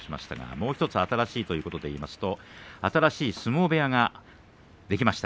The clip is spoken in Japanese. もう１つ新しいということでいいますと新しい相撲部屋ができました。